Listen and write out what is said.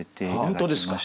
本当ですか。